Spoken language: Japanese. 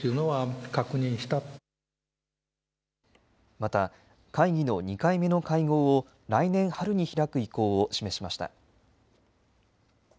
また、会議の２回目の会合を来年春に開く意向を示しました。